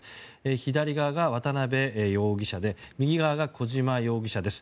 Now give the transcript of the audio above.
左側が渡邉容疑者で右側が小島容疑者です。